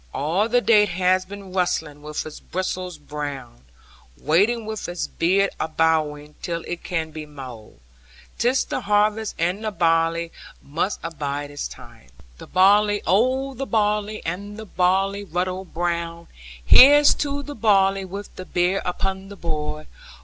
All the day it has been rustling, with its bristles brown, Waiting with its beard abowing, till it can be mown! 'Tis the harvest and the barley must abide its time. (Chorus) The barley, oh the barley, and the barley ruddy brown! Here's to the barley, with the beer upon the board!